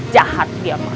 jahat dia mah